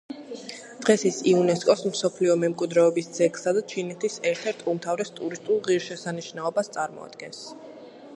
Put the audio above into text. დღეს ის იუნესკოს მსოფლიო მემკვიდრეობის ძეგლსა და ჩინეთის ერთ-ერთ უმთავრეს ტურისტულ ღირსშესანიშნაობას წარმოადგენს.